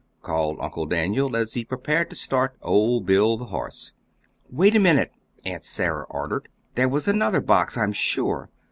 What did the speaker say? called Uncle Daniel, as he prepared to start old Bill, the horse. "Wait a minute!" Aunt Sarah ordered. "There was another box, I'm sure.